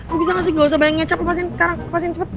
lo bisa ga sih ga usah banyak ngecap lepasin sekarang lepasin cepet